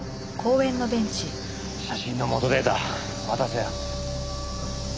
写真の元データ渡せよ。